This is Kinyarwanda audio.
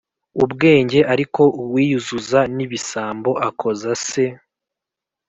ubwenge Ariko uwiyuzuza n ibisambo akoza se